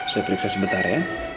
saya periksa sebentar ya